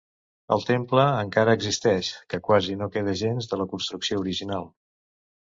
El temple encara existeix que quasi no queda gens de la construcció original.